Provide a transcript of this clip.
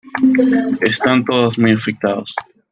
Están todos muy afectados.